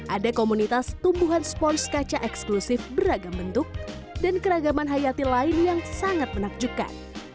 ada komunitas tumbuhan spons kaca eksklusif beragam bentuk dan keragaman hayati lain yang sangat menakjubkan